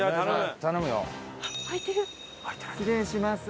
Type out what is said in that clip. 失礼します。